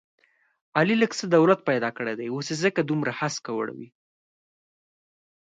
علي لږ څه دولت پیدا کړی دی، اوس یې ځکه دومره هسکه وړوي...